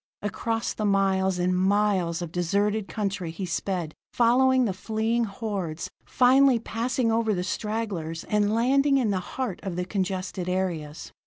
Across the miles and miles of deserted country he sped, following the fleeing hordes, finally passing over the stragglers and landing in the heart of the congested areas.